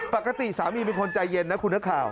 ปกติสามีเป็นคนใจเย็นนะคุณนักข่าว